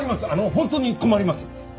本当に困ります！